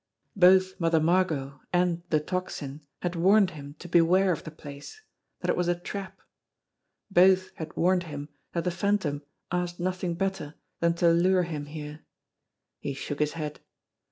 Both Mother Margot and the Tocsin had warned him to beware of the place that it was a trap. Both had warned him that the Phantom asked nothing better than to lure him here. He shook his head.